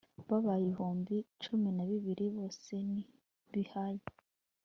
babaye ibihumbi cumi na bibiri bose b'i hayi